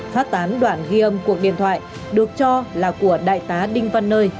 phát tán đoạn ghi âm cuộc điện thoại được cho là của đại tá đinh văn nơi